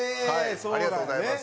ありがとうございます。